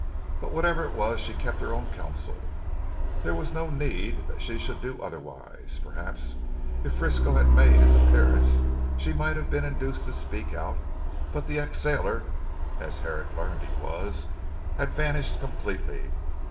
But whatever it was she kept her own counsel. There was no need that she should do otherwise. Perhaps if Frisco had made his appearance she might have been induced to speak out, but the ex sailor (as Herrick learned he was) had vanished completely.